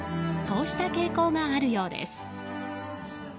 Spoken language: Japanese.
こうした傾向があるようです。